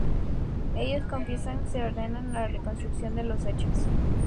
Ellos confiesan y se ordena la reconstrucción de los hechos.